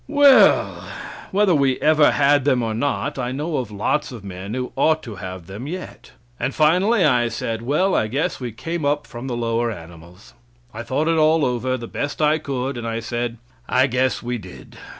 Well, whether we ever had them or not, I know of lots of men who ought to have them yet. And finally I said, "Well, I guess we came up from the lower animals." I thought it all over; the best I could, and I said, "I guess we did."